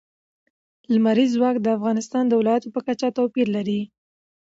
لمریز ځواک د افغانستان د ولایاتو په کچه توپیر لري.